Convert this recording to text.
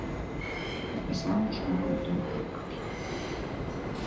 Empezamos no ámbito educativo.